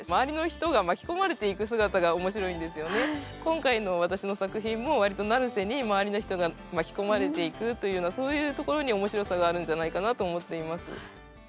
今回の作品もわりと成瀬に周りの人が巻き込まれていくという面白さがあるんじゃないかなと思っています。